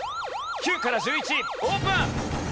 ９から１１オープン！